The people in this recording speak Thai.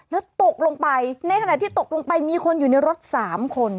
แล้วตกลงไปในขณะที่ตกลงไปมีคนอยู่ในรถ๓คน